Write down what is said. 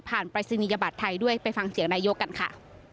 ผ่านปริศนียบาทไทยด้วยไปฟังเสียงนายโยกกันค่ะ